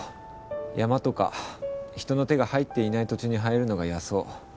山とか人の手が入っていない土地に生えるのが野草。